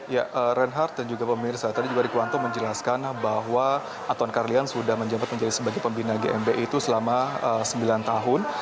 ya reinhardt dan juga pemirsa tadi juga rikuwanto menjelaskan bahwa anton karlian sudah menjabat menjadi sebagai pembina gmbi itu selama sembilan tahun